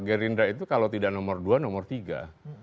gerindra itu kalau tidak nomor dua nomor tiga